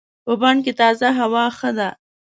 په بڼ کې تازه هوا ښه ده.